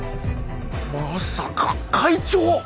まさか会長！